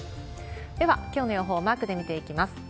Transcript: では、きょうの予報マークで見ていきます。